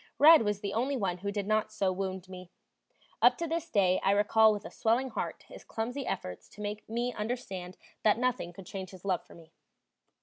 "Red" was the only one who did not so wound me; up to this day I recall with a swelling heart his clumsy efforts to make me understand that nothing could change his love for me.